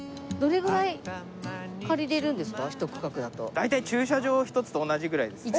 大体駐車場１つと同じぐらいですね。